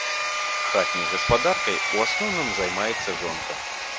Хатняй гаспадаркай у асноўным займаецца жонка.